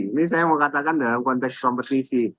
ini saya mau katakan dalam konteks kompetisi